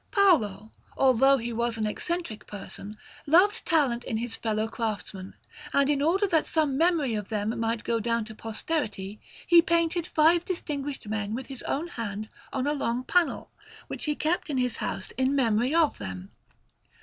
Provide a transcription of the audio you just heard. Paolo, although he was an eccentric person, loved talent in his fellow craftsmen, and in order that some memory of them might go down to posterity, he painted five distinguished men with his own hand on a long panel, which he kept in his house in memory of them.